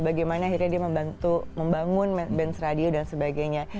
bagaimana akhirnya dia membantu membangun bench radio dan sebagainya